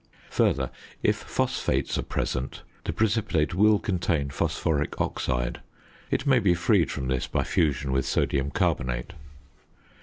Further, if phosphates are present, the precipitate will contain phosphoric oxide; it may be freed from this by fusion with sodium carbonate.